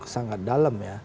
sangat dalam ya